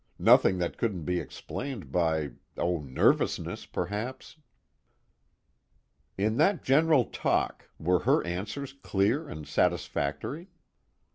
Nothing that couldn't be explained by oh, nervousness perhaps." "In that general talk, were her answers clear and satisfactory?"